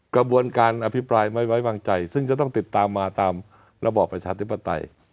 กระบวนการอภิปรายไม่ไว้วางใจซึ่งจะต้องติดตามมาตามระบอบประชาธิปไตย